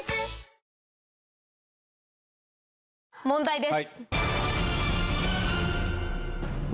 問題です。